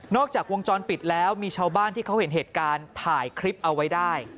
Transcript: อกจากวงจรปิดแล้วมีชาวบ้านที่เขาเห็นเหตุการณ์ถ่ายคลิปเอาไว้ได้